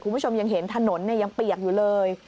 คุณผู้ชมยังเห็นถนนยังเปียกอยู่เลย